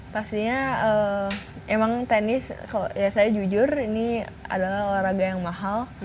pastinya emang tenis kalau ya saya jujur ini adalah olahraga yang mahal